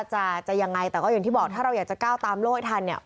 จะจะยังไงแต่ก็อย่างที่บอกถ้าเราอยากจะก้าวตามโลกให้ทันเนี่ย